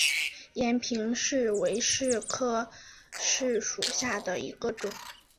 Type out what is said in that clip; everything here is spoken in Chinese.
延平柿为柿科柿属下的一个种。